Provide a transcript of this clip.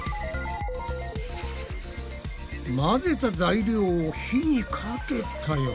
混ぜた材料を火にかけたよな。